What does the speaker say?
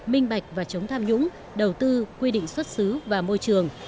minh bạch và chống tham nhũng đầu tư quy định xuất xứ và môi trường